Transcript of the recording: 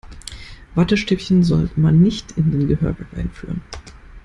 Wattestäbchen soll man nicht in den Gehörgang einführen.